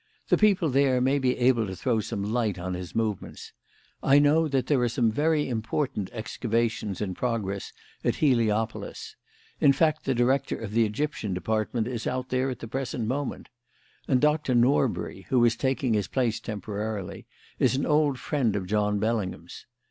The people there may be able to throw some light on his movements. I know that there are some important excavations in progress at Heliopolis in fact, the Director of the Egyptian Department is out there at the present moment; and Doctor Norbury, who is taking his place temporarily, is an old friend of John Bellingham's.